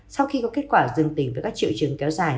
sau khi có kết quả dương tính với các triệu chứng kéo dài